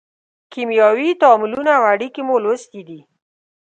کیمیاوي تعاملونه او اړیکې مو لوستې دي.